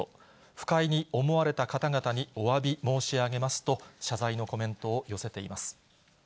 不快に思われた方々におわび申し上げますと、謝罪のコメントを寄せています。